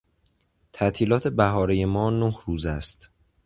تعطیلات بهارهی ما نه روز است.